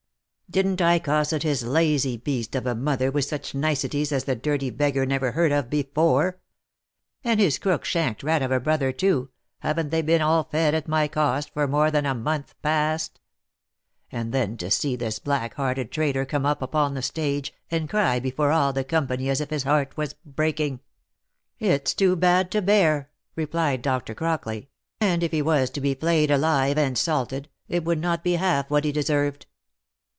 Didn't I cosset his lazy beast of a mother with such niceties as the dirty beggar never heard of before ? And his crook shanked rat of a brother, too, haven't they been all fed at my cost for more than a month past ? And then to see this OF MICHAEL ARMSTRONG. Ill black hearted traitor come upon the stage, and cry before all the company as if his heart was breaking ?"" It's too bad to bear," replied Dr. Crockley, " and if he was to be flayed alive and salted, it would not be half what he deserved."